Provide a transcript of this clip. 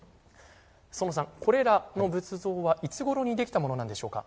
爾さん、これらの仏像はいつごろにできたものなんでしょうか。